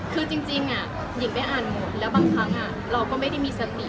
คือจริงหญิงได้อ่านหมดแล้วบางครั้งเราก็ไม่ได้มีสติ